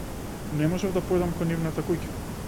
Не можев да појдам кон нивната куќа.